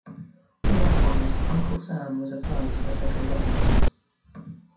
Likewise, "Uncle Sam" was applied to the Federal government.